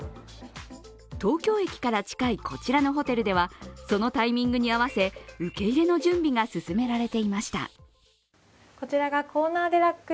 東京駅から近いこちらのホテルでは、そのタイミングに合わせ、受け入れの準備が進められていました。